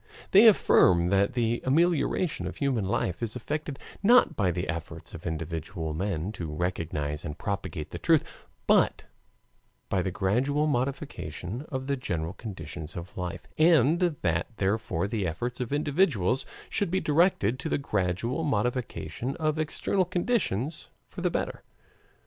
They affirm that the amelioration of human life is effected not by the efforts of individual men, to recognize and propagate the truth, but by the gradual modification of the general conditions of life, and that therefore the efforts of individuals should be directed to the gradual modification of external conditions for the better.